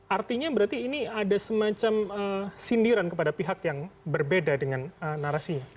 artinya berarti ini ada semacam sindiran kepada pihak yang berbeda dengan narasinya